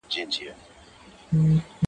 د کلي ژوند ظاهراً روان وي خو دننه مات،